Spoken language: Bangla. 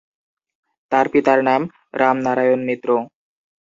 তাঁর পিতার নাম রামনারায়ণ মিত্র।